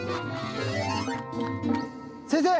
先生！